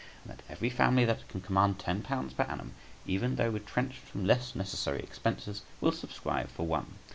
And that every family that can command £10 per annum, even though retrenched from less necessary expenses, will subscribe for one.